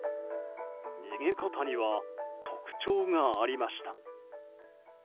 逃げ方には特徴がありました。